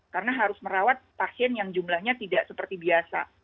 karena harus merawat pasien yang jumlahnya tidak seperti biasa